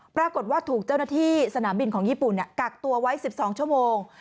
ปรากฏว่าถูกเจ้าหน้าที่สนามบินของญี่ปุ่นกักตัวไว้๑๒ชั่วโมง